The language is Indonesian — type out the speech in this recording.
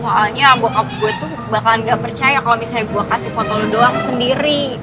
soalnya bokup gue tuh bakal gak percaya kalau misalnya gue kasih foto lu doang sendiri